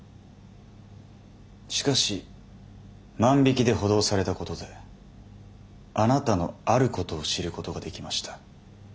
しかし万引きで補導されたことであなたのあることを知ることができました。